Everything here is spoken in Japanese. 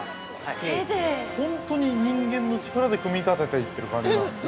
本当に人間の力で組み立てていってる感じなんですね。